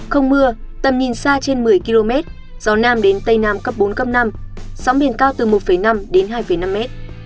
không mưa tầm nhìn xa trên một mươi km gió nam đến tây nam cấp bốn cấp năm sóng bền cao từ một năm hai năm m